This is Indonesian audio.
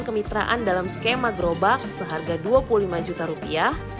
kemitraan dalam skema gerobak seharga dua puluh lima juta rupiah